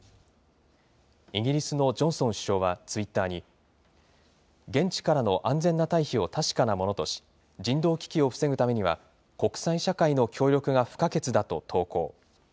イギリスのジョンソン首相はツイッターに、現地からの安全な退避を確かなものとし、人道危機を防ぐためには、国際社会の協力が不可欠だと投稿。